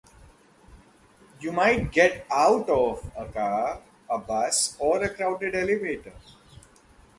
You might "get out of" a car, a bus, or a crowded elevator.